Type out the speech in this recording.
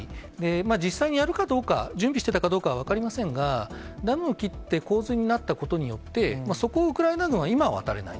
実際にやるかどうか、準備してたかどうかは分かりませんが、ダムの、洪水になったことによって、そこをウクライナ軍は、今は渡れない。